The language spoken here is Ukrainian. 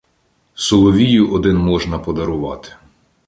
Соловію один можна подарувати.